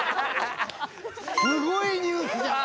すごいニュースじゃない？